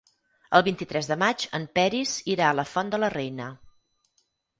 El vint-i-tres de maig en Peris irà a la Font de la Reina.